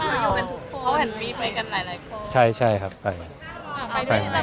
อาประเทศไตรงพี่เกดไปด้วยหรือไปกันหลายคน